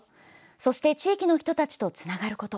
そして、地域の人たちとつながること。